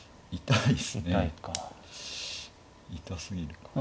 痛すぎるか。